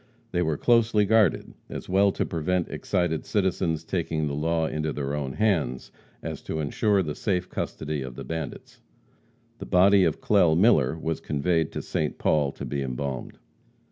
They were closely guarded, as well to prevent excited citizens taking the law into their own hands as to insure the safe custody of the bandits. The body of Clell Miller was conveyed to St. Paul to be embalmed.